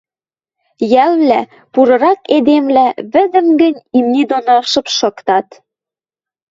Йӓлвлӓ, пурырак эдемвлӓ, вӹдӹм гӹнь имни доно шыпшыктат.